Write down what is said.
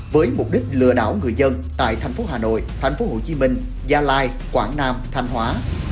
với mục đích lừa đảo người dân tại thành phố hà nội thành phố hồ chí minh gia lai quảng nam thanh hóa